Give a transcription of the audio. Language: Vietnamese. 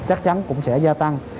chắc chắn cũng sẽ gia tăng